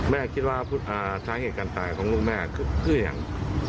แม่เกลียลาพุธอาท้ายเหตุการณ์ตายของลูกแม่คืนเป็นอย่าง